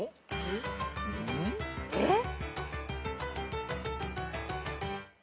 えっ？